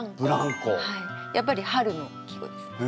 やっぱり春の季語ですね。